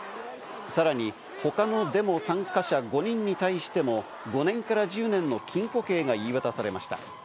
さらに他のデモ参加者５人に対しても５年１０年の禁錮刑が言い渡されました。